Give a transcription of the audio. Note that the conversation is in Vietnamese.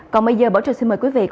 còn bây giờ bỏ trời xin mời quý vị